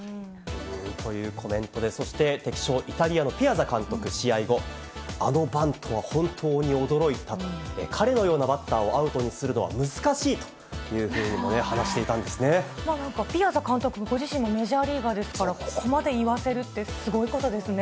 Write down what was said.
というコメントで、そして敵将、イタリアのピアザ監督、試合後、あのばんとは本当に驚いたと、彼のようなバッターをアウトにするのは難しいというふうにもね、ピアザ監督ご自身もメジャーリーガーですから、ここまで言わせるって、すごいことですね。